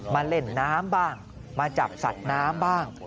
มาเล่นน้ำบ้างมาจับสัตว์น้ำบ้าง